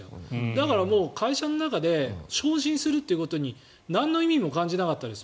だから、会社の中で昇進するということになんの意味も感じなかったんです。